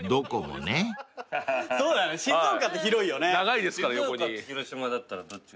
静岡と広島だったらどっちが？